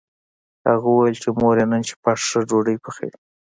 هغه وویل چې مور یې نن شپه ښه ډوډۍ پخوي